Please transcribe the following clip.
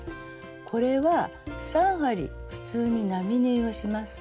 これは３針普通に並縫いをします。